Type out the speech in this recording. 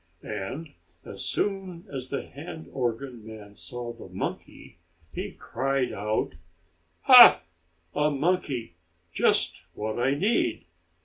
And, as soon as the hand organ man saw the monkey, he cried out: "Ha! A monkey! Just what I need.